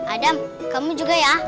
adam kamu juga ya